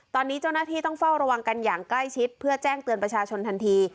ตอนนี้เจ้าหน้าที่ต้องเฝ้าระวังกันอย่างใกล้ชิดเพื่อแจ้งเตือนประชาชนทันที